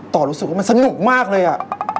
รู้สึกว่ามันสนุกมากเลยอ่ะ